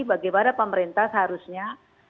bagaimana pemerintah seharusnya